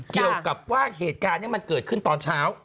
เกี่ยวกับว่าเหตุการณ์นี้มันเกิดขึ้นตอนเช้า